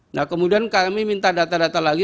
nah kemudian kami minta data data lagi